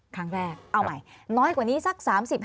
ครั้งแรกเอาใหม่น้อยกว่านี้สัก๓๐